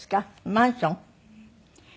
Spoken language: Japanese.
マンション？